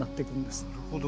なるほど。